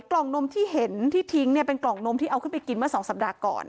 กล่องนมที่เห็นที่ทิ้งเนี่ยเป็นกล่องนมที่เอาขึ้นไปกินเมื่อ๒สัปดาห์ก่อน